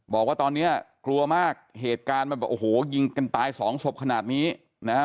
บอกว่าตอนนี้กลัวมากเหตุการณ์มันแบบโอ้โหยิงกันตายสองศพขนาดนี้นะฮะ